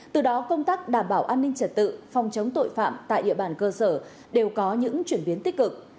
từ đó công tác đảm bảo an ninh trật tự phòng chống tội phạm tại địa bàn cơ sở đều có những chuyển biến tích cực